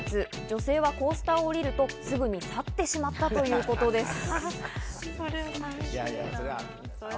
女性はコースターを降りると、すぐに去ってしまったということです。